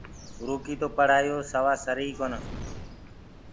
اُرو ڪي تو پڙهآيو ڪي سِوآ سري ئي ڪونآ۔